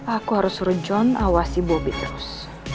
aku harus suruh john awasi bobby terus